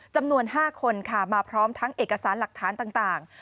จำนวน๕คนค่ะมาพร้อมทั้งเอกสารหลักฐานต่าง